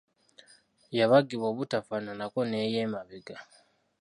Yabagibwa obutafaananako n'ey’emabega.